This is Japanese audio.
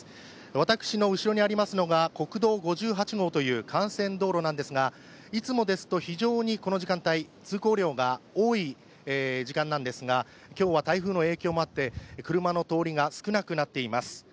私の後ろにありますのが国道５８号という幹線道路ですが、いつもですと非常にこの時間帯、通行量が多い時間ですが今日は台風の影響もあって車の通りが少なくなっています。